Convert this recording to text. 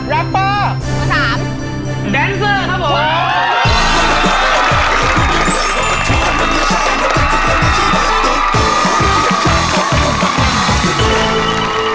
แรปเปอร์ครูสามครูแดนเซอร์ครับผมโอ้โฮ